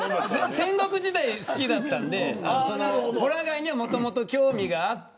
戦国時代、好きだったんでホラガイにはもともと興味があって。